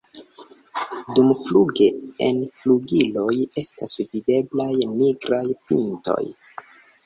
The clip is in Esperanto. Dumfluge en flugiloj estas videblaj nigraj pintoj.